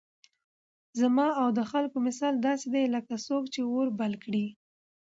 زما او د خلكو مثال داسي دئ لكه څوك چي اور بل كړي